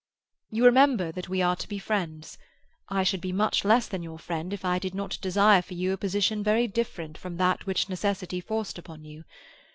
"You remember that we are to be friends. I should be much less than your friend if I did not desire for you a position very different from that which necessity forced upon you.